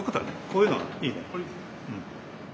こういうのはいいね。